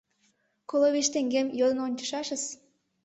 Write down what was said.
— Коло вич теҥгем йодын ончышашыс.